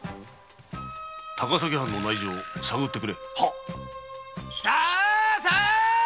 高崎藩の内情を探ってくれ。さ大変だ。